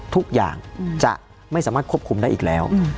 ทุกอย่างจะไม่สามารถควบคุมได้อีกแล้ว